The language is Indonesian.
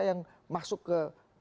yang masuk ke